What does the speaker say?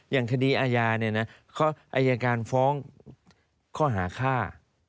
อย่างคดีอาญาเนี่ยนะอายการฟ้องข้อหาฆ่า